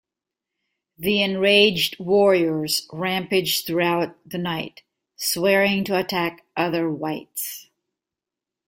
The enraged warriors rampaged throughout the night, swearing to attack other whites.